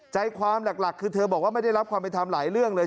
ใจความหลักคือเธอบอกว่าไม่ได้รับความเป็นธรรมหลายเรื่องเลย